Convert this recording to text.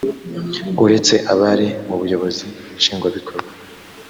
uretse abari mu buyobozi nshingwabikorwa